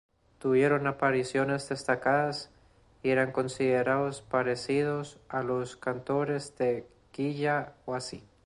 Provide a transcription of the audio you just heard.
Tuvieron apariciones destacadas, y eran considerados parecidos a Los Cantores de Quilla Huasi.